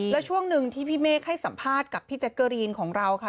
แล้วช่วงหนึ่งที่พี่เมฆให้สัมภาษณ์กับพี่แจ๊กเกอรีนของเราค่ะ